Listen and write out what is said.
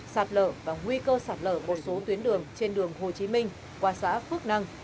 sạt lở và nguy cơ sạt lở một số tuyến đường trên đường hồ chí minh qua xã phước năng